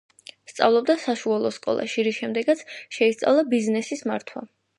სწავლობდა საშუალო სკოლაში, რის შემდეგაც შეისწავლა ბიზნესის მართვა.